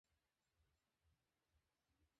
ওরা পোন্নি দিদির সাথে খারাপ ব্যবহার করছে।